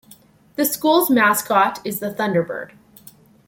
The school's mascot is the Thunderbird.